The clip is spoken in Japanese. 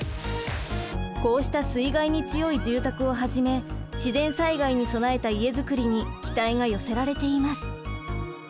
こうした水害に強い住宅をはじめ自然災害に備えた家づくりに期待が寄せられています。